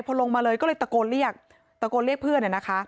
พอลงมาเลยก็เลยตะโกนเรียกตะโกนเรียกเพื่อน